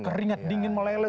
keringat dingin meleles